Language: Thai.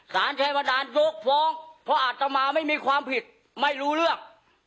สารชายบาดานยกฟ้องเพราะอาตมาไม่มีความผิดไม่รู้เรื่อง